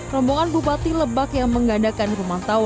rombongan bupati lebak yang menggandakan rumah tawa